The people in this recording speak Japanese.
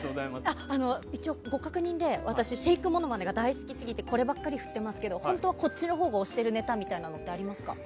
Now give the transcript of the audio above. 一応、ご確認で私、シェイクモノマネが大好きすぎてこればっかり振ってますけど本当はこっちのほうが推してるネタみたいなのありますか？